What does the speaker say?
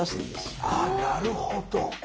あなるほど。